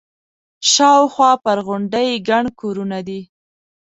شاوخوا پر غونډۍ ګڼ کورونه دي.